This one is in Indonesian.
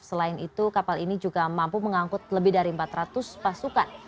selain itu kapal ini juga mampu mengangkut lebih dari empat ratus pasukan